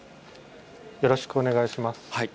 よろしくお願いします。